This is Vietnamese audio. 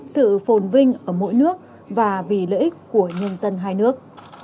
sự phồn vinh ở mỗi nước và vì lợi ích của nhân dân hai nước